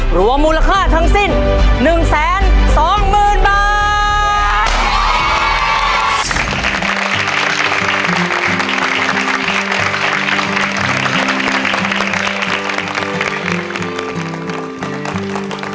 หลวงมูลค่าทั้งสิ้น๑แสน๒หมื่นบาท